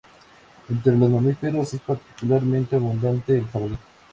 Entre los mamíferos es particularmente abundante el jabalí.